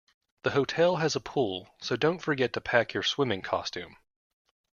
The hotel has a pool, so don't forget to pack your swimming costume